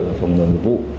và phòng ngừa mục vụ